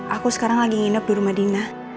aku sekarang lagi nginep di rumah dina